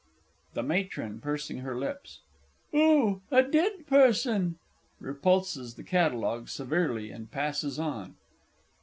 THE MATRON (pursing her lips). Oh, a dead person. [_Repulses the Catalogue severely and passes on.